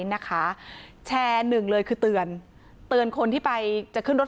นะคะแชร์หนึ่งเลยคือเตือนเตือนคนที่ไปจะขึ้นรถ